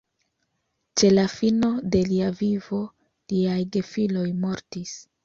Ĉe la fino de lia vivo liaj gefiloj mortis.